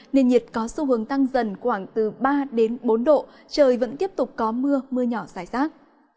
nền nhiệt có xu hướng tăng dần khoảng từ ba bốn độ trời vẫn tiếp tục có mưa mưa nhỏ xảy xác